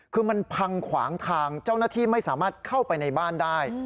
คือมันพังขวางทางเจ้าหน้าที่ไม่สามารถเข้าไปในบ้านได้